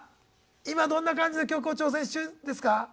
今どんな感じの曲を挑戦中ですか？